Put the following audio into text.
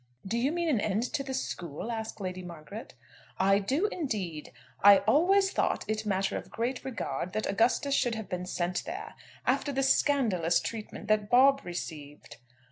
"Do you mean an end to the school?" asked Lady Margaret. "I do indeed. I always thought it matter of great regret that Augustus should have been sent there, after the scandalous treatment that Bob received."